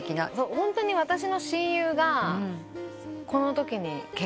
ホントに私の親友がこのときに結婚。